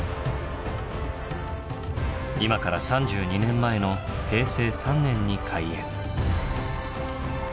今から３２年前の平成３年に開園。